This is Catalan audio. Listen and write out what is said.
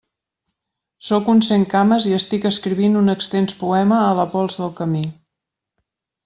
Sóc un centcames i estic escrivint un extens poema a la pols del camí.